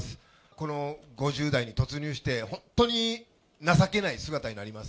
この５０代に突入して、本当に情けない姿になります。